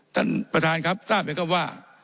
ท่านประธานครับทราบไหมครับว่า